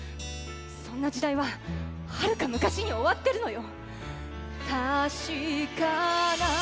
そんな時代ははるか昔に終わってるのよ！